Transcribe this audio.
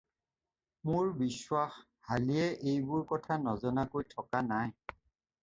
মোৰ বিশ্বাস হালিয়ে এইবোৰ কথা নজনাকৈ থকা নাই।